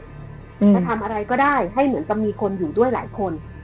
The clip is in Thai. จะทำอะไรก็ได้ให้เหมือนกับมีคนอยู่ด้วยหลายคน